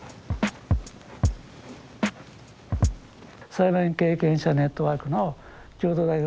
裁判員経験者ネットワークの共同代表